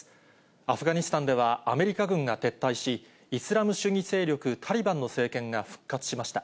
アフガニスタンでは、アメリカ軍が撤退し、イスラム主義勢力タリバンの政権が復活しました。